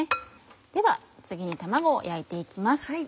では次に卵を焼いて行きます。